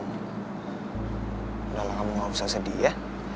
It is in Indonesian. udah lah kamu gak usah sedih ya